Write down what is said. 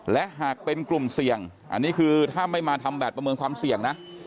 และหากเป็นกลุ่มเสี่ยงอันนี้คือถ้าไม่มาทำแบบประเมินความเสี่ยงนะ